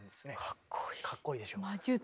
かっこいいでしょ？